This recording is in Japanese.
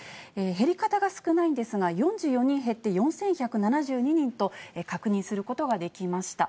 減り方が少ないんですが、４４人減って４１７２人と確認することができました。